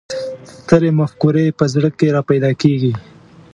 سترې مفکورې په زړه کې را پیدا کېږي.